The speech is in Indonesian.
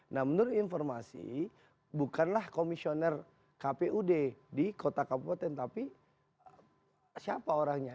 nah menurut informasi bukanlah komisioner kpud di kota kabupaten tapi siapa orangnya